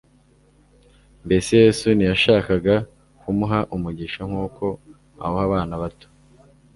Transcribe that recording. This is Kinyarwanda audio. Mbese Yesu ntiyashakaga kumuha umugisha nk'uko awuha abana bato,